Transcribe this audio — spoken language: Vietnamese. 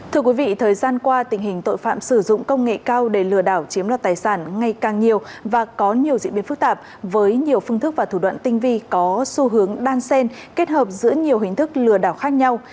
thưa quý vị thời gian qua tình hình tội phạm sử dụng công nghệ cao để lừa đảo chiếm đoạt tài sản ngày càng nhiều và có nhiều diễn biến phức tạp với nhiều phương thức và thủ đoạn tinh vi có xu hướng đan sen kết hợp giữa nhiều hình thức lừa đảo khác nhau